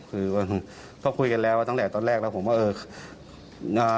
ก็คุยกันแล้วตั้งแต่ตอนแรกแล้วแล้วผมว่า